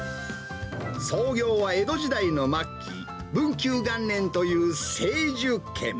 創業は江戸時代の末期、文久元年という清寿軒。